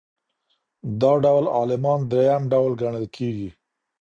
دا ډول عالمان درېیم ډول ګڼل کیږي.